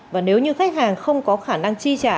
và nếu như khách hàng không có khả năng chi trả